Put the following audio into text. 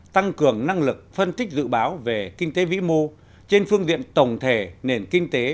tăng cường năng lực phân tích dự báo về kinh tế vĩ mô trên phương diện tổng thể nền kinh tế